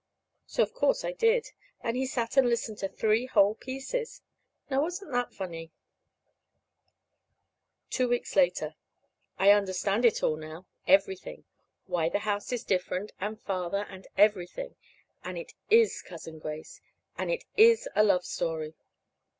So, of course, I did. And he sat and listened to three whole pieces. Now, wasn't that funny? Two weeks later. I understand it all now everything: why the house is different, and Father, and everything. And it is Cousin Grace, and it is a love story.